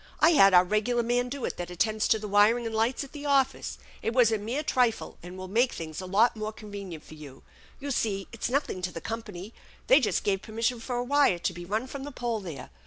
I had our regular man do it that attends to the wiring and lights at the office. It was a mere trifle, and will make things a lot more con venient for you. You see it's nothing to the company. They just gave permission for a wire to be run from the pole there.